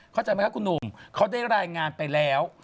เข้าใจไหมครับคุณหนุ่มเขาได้รายงานไปแล้ว